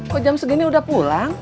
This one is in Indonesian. kok jam segini udah pulang